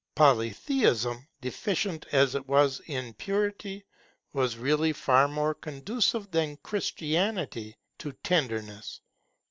Polytheism, deficient as it was in purity, was really far more conducive than Christianity, to tenderness.